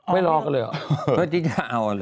ไปรอกันแหละเหรอ